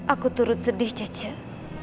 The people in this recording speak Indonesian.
aku turut sedih cicek